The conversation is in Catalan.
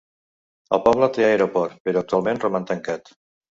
El poble té aeroport, però actualment roman tancat.